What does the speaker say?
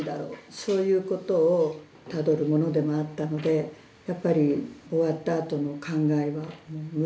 そういうことをたどるものでもあったのでやっぱり終わったあとの感慨は無量。